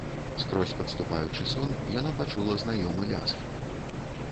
Скорзь падступаючы сон яна пачула знаёмы лязг.